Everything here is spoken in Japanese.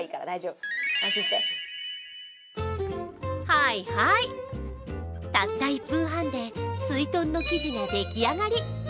はいはい、たった１分半ですいとんの生地が出来上がり。